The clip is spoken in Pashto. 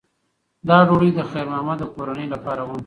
دا ډوډۍ د خیر محمد د کورنۍ لپاره وه.